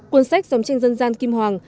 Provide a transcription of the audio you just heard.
cuốn sách dòng tranh dân gian kim hoàng